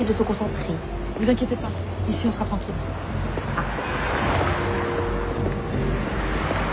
あっ。